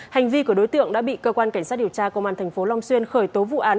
hành vi của đối tượng đã bị cơ quan cảnh sát điều tra công an tp long xuyên khởi tố vụ án